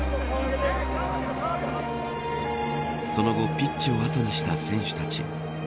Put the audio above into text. その後ピッチをあとにした選手たち。